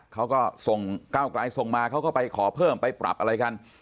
เขาก็ส่งก้าวไกลส่งมาเขาก็ไปขอเพิ่มไปปรับอะไรกัน